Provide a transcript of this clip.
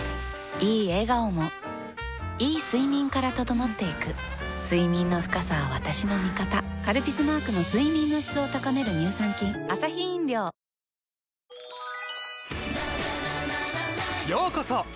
いい笑顔もいい睡眠から整っていく睡眠の深さは私の味方「カルピス」マークの睡眠の質を高める乳酸菌息子が ＫＵＭＯＮ を始めた